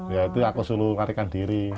ya itu aku suruh larikan diri